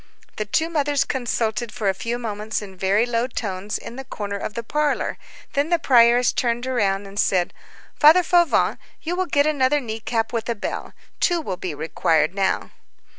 The two mothers consulted for a few moments in very low tones in the corner of the parlor, then the prioress turned round and said:— "Father Fauvent, you will get another knee cap with a bell. Two will be required now."